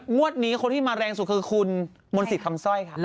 งวดนี้คนที่มาแรงสุดคือคุณมนต์สิทธิ์คำสร้อยค่ะ